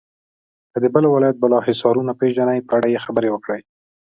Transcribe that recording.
که د بل ولایت بالا حصارونه پیژنئ په اړه یې خبرې وکړئ.